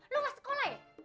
lu nggak sekolah ya